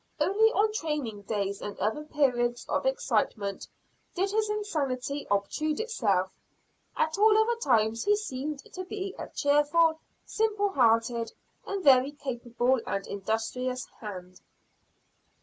Only on training days and other periods of excitement, did his insanity obtrude itself. At all other times he seemed to be a cheerful, simple hearted, and very capable and industrious "hand."